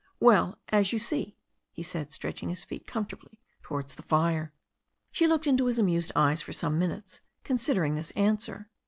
"Well, as you see," he said, stretching his feet com fortably towards the fire. She looked into his amused eyes for some minutes, con sidering this answer.